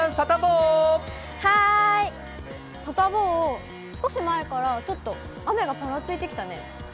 はーい、サタボー、少し前からちょっと、雨がぱらついてきたね。